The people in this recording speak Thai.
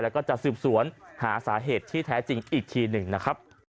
แล้วก็จะสืบสวนหาสาเหตุที่แท้จริงอีกทีหนึ่งนะครับ